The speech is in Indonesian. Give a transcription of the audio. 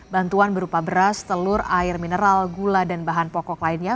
bantuan berupa beras telur air mineral gula dan bahan pokok lainnya